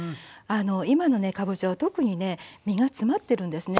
今のねかぼちゃは特にね身が詰まってるんですね。